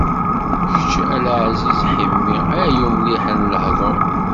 Kečč a Lɛaziz Ḥimi! Ay umliḥ n lehḍur.